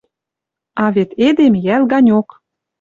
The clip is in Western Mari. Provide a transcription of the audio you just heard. А вет эдем йӓл ганьок.